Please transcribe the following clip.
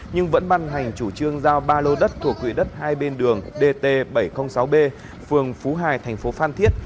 nhưng vẫn băn hành chủ trương giao ba lô đất thuộc quỹ đất hai bên đường dt bảy trăm linh sáu b phường phú hài tp phan thiết